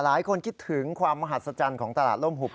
หลายคนคิดถึงความมหัศจรรย์ของตลาดล่มหุบ